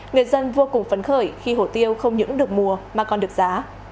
người dân vô cùng phấn khởi khi hổ tiêu không những được mùa mà còn được giá